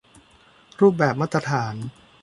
รูปแบบมาตรฐาน